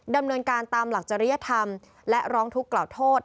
ดำเนินการตามหลักจริยธรรมและร้องทุกข์กล่าวโทษ